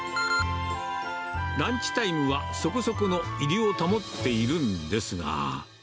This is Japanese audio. ランチタイムはそこそこの入りを保っているんですが。